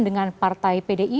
dengan partai pdi